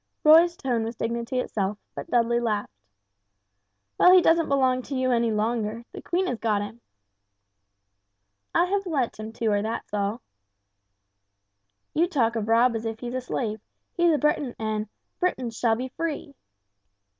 Roy's tone was dignity itself, but Dudley laughed. "Well he doesn't belong to you any longer; the Queen has got him." "I have lent him to her, that's all." "You talk of Rob as if he is a slave. He's a Briton, and 'Britons shall be free!'"